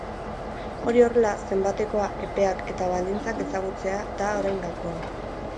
Hori horrela, zenbatekoa, epeak eta baldintzak ezagutzea da orain gakoa.